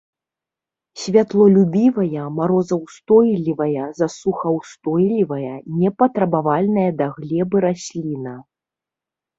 Святлолюбівая, марозаўстойлівая, засухаўстойлівая, не патрабавальная да глебы расліна.